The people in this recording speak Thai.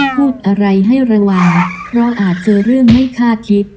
พูดอะไรให้ระวังเพราะอาจเจอเรื่องไม่คาดคิด